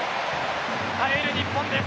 耐える日本です。